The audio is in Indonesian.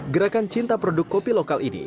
gerakan cinta produk kopi lokal ini